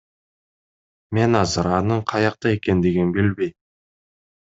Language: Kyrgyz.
Мен азыр анын каякта экендигин билбейм.